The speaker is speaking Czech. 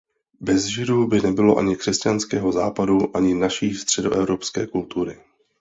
Bez Židů by nebylo ani křesťanského Západu ani naší středoevropské kultury.